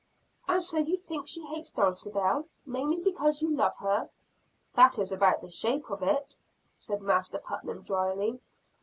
"And so you think she hates Dulcibel, mainly because you love her?" "That is about the shape of it," said Master Putnam drily.